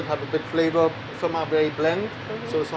ada beberapa yang sangat berkelanjutan